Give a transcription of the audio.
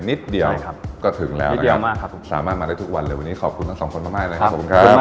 นิดเดียวครับก็ถึงแล้วนิดเดียวสามารถมาได้ทุกวันเลยวันนี้ขอบคุณทั้งสองคนมากนะครับขอบคุณครับ